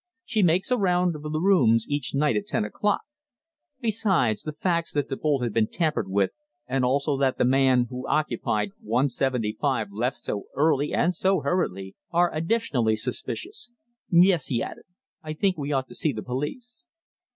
She makes a round of the rooms each night at ten o'clock. Besides, the facts that the bolt had been tampered with, and also that the man who occupied 175 left so early and so hurriedly, are additionally suspicious. Yes," he added, "I think we ought to see the police."